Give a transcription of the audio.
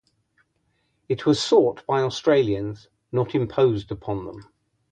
It was sought by Australians, not imposed upon them.